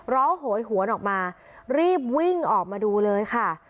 โหยหวนออกมารีบวิ่งออกมาดูเลยค่ะ